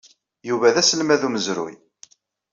Yuba d aselmad n umezruy.